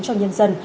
cho nhân dân